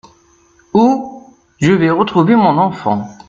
Où ? Je vais retrouver mon enfant.